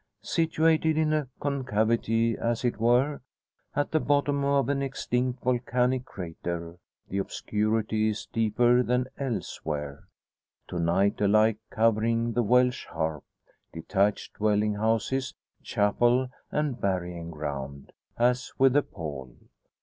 Situated in a concavity as it were, at the bottom of an extinct volcanic crater the obscurity is deeper than elsewhere; to night alike covering the Welsh Harp, detached dwelling houses, chapel, and burying ground, as with a pall.